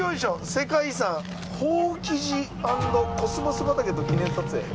世界遺産法起寺＆コスモス畑と記念撮影。